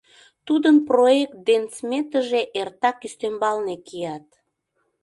Тудын проект ден сметыже эртак ӱстембалне кият...